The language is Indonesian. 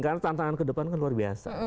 karena tantangan ke depan kan luar biasa